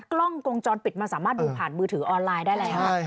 กล้องวงจรปิดมันสามารถดูผ่านมือถือออนไลน์ได้แล้ว